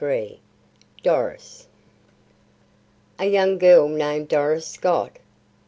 DORIS "A young girl named Doris Scott?"